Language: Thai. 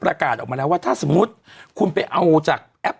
เป็นการกระตุ้นการไหลเวียนของเลือด